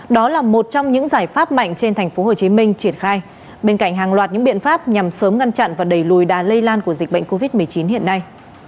đó là một trong những giải pháp mạnh trên tp hcm triển khai bên cạnh hàng loạt những biện pháp nhằm sớm ngăn chặn và đẩy lùi đá lây lan của dịch bệnh covid một mươi chín hiện nay